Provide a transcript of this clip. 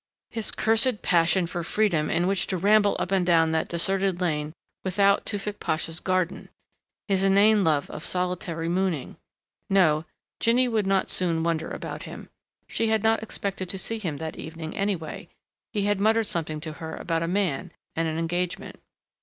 His cursed passion for freedom in which to ramble up and down that deserted lane without Tewfick Pasha's garden! His inane love of solitary mooning.... No, Jinny would not soon wonder about him. She had not expected to see him that evening, anyway he had muttered something to her about a man and an engagement.